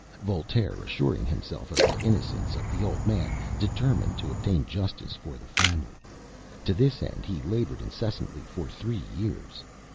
Voltaire, assuring himself of the innocence of the old man, determined to obtain justice for the family. To this end he labored incessantly for three years.